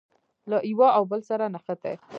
له یوه او بل سره نښتي.